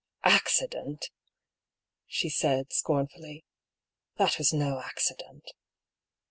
^'Accident!" she said, scornfully. "That was no accident."